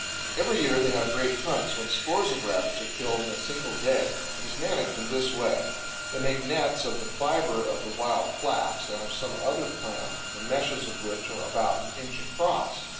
Every year they have great hunts, when scores of rabbits are killed in a single day. It is managed in this way: They make nets of the fiber of the wild flax and of some other plant, the meshes of which are about an inch across.